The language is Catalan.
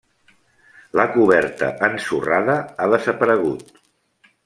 La coberta ensorrada ha desaparegut.